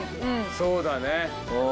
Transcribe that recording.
そうだね。